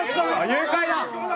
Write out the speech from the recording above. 誘拐だ！